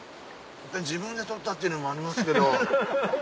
自分でとったっていうのもありますけど。